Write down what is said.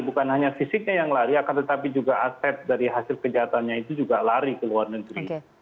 bukan hanya fisiknya yang lari akan tetapi juga aset dari hasil kejahatannya itu juga lari ke luar negeri